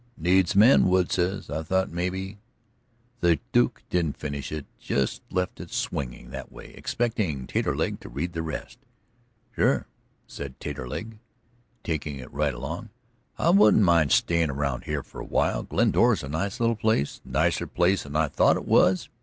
"Needs men, Wood says. I thought maybe " The Duke didn't finish it; just left it swinging that way, expecting Taterleg to read the rest. "Sure," said Taterleg, taking it right along. "I wouldn't mind stayin' around here a while. Glendora's a nice little place; nicer place than I thought it was."